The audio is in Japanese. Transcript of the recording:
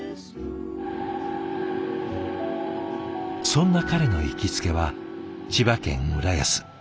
そんな彼の行きつけは千葉県浦安。